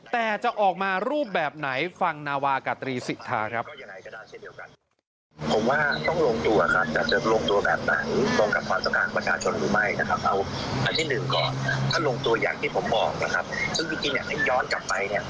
แต่จะออกมารูปแบบไหนฟังนาวากาตรีสิทธาครับ